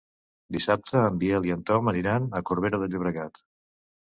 Dissabte en Biel i en Tom aniran a Corbera de Llobregat.